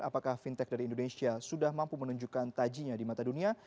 apakah fintech dari indonesia sudah mampu menunjukkan tajinya di mata dunia